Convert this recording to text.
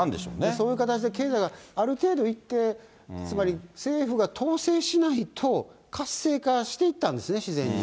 そういう形で経済がある程度いって、つまり政府が統制しないと、活性化していったんですね、自然に。